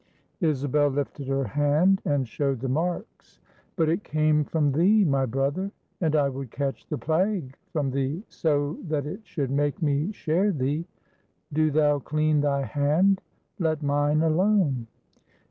Isabel lifted her hand and showed the marks. "But it came from thee, my brother; and I would catch the plague from thee, so that it should make me share thee. Do thou clean thy hand; let mine alone."